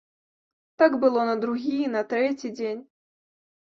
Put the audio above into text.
Так было на другі і на трэці дзень.